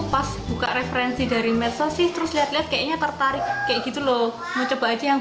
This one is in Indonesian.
pas buka referensi dari medsos sih terus lihat lihat kayaknya tertarik kayak gitu loh mau coba aja yang